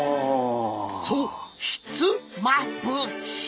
そうひ・つ・ま・ぶ・し！